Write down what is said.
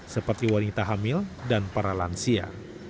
seperti wanita hamil dan para lansia